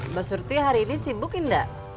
mbak surti hari ini sibuk enggak